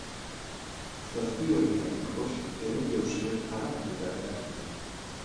Zazpi horietatik bost elur-jausian harrapatuta geratu dira.